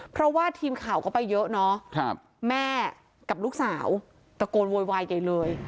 เพราะว่าทีมข่าวก็ไปเยอะเนาะแม่กับลูกสาวตะโกนโวยวายใหญ่เลย